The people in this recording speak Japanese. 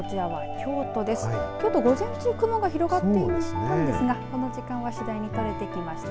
京都、午前中雲が広がっていたんですがこの時間は次第にとれてきました。